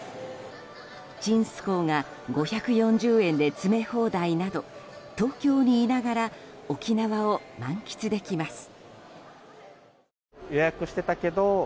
ちんすこうが５４０円で詰め放題など東京にいながら沖縄を満喫できます。